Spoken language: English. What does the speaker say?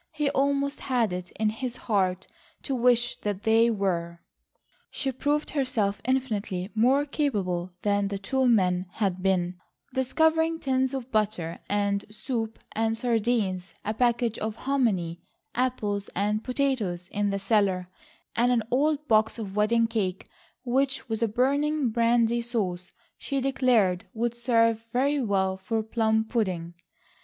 He almost had it in his heart to wish that they were. She proved herself infinitely more capable than the two men had been, discovering tins of butter and soup and sardines, a package of hominy, apples and potatoes in the cellar, and an old box of wedding cake, which, with a burning brandy sauce, she declared would serve very well for plum pudding.